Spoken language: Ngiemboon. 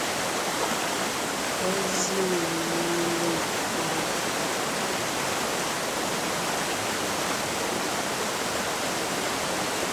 Pɔ́ zíŋe mmó lêkɔ́?